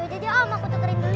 ya udah om aku tekerin dulu ya